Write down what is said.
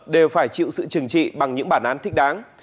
đều phải chịu sự trừng trị bằng những bản án thích đáng